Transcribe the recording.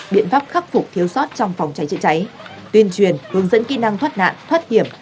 biện pháp khắc phục thiếu sót trong phòng cháy chữa cháy tuyên truyền hướng dẫn kỹ năng thoát nạn thoát hiểm